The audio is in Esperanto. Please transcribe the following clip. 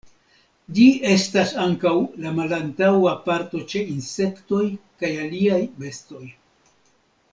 Ĝi estas ankaŭ la malantaŭa parto ĉe insektoj kaj aliaj bestoj.